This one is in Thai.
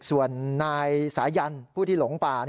ส่วนนายสายันผู้ที่หลงป่า